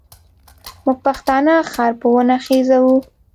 موږ پښتانه خر په ونه خېزوو.